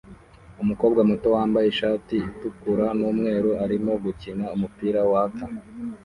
Umukobwa muto wambaye ishati itukura numweru arimo gukina numupira waka